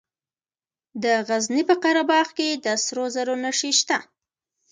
د غزني په قره باغ کې د سرو زرو نښې شته.